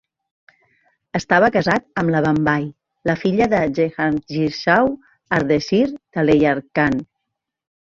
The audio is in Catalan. Estava casat amb l'Avambai, la filla de Jehangirshaw Ardeshir Taleyarkhan.